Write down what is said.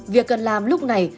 việc cần làm lúc này